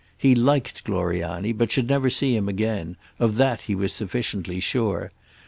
He liked Gloriani, but should never see him again; of that he was sufficiently sure.